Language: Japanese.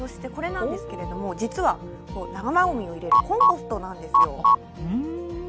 実は生ごみを入れるコンポストなんですよ。